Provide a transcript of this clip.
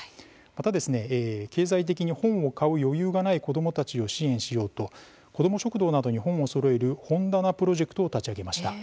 また経済的に本を買う余裕がない子どもたちを支援しようと子ども食堂などに本をそろえる「本だなプロジェクト」を立ち上げました。